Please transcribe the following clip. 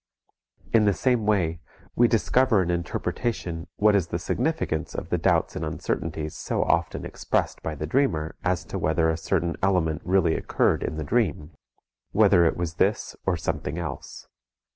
In the same way, we discover in interpretation what is the significance of the doubts and uncertainties so often expressed by the dreamer as to whether a certain element really occurred in the dream; whether it was this or something else.